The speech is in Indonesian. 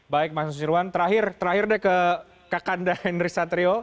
baik mas nusirwan terakhir terakhir deh ke kakanda henry satrio